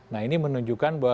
nah ini menunjukkan bahwa